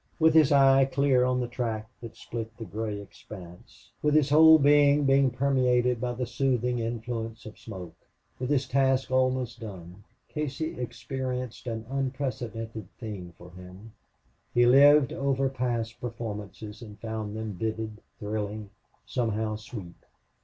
With his eye clear on the track that split the gray expanse, with his whole being permeated by the soothing influence of smoke, with his task almost done, Casey experienced an unprecedented thing for him he lived over past performances and found them vivid, thrilling, somehow sweet.